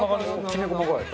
きめ細かい。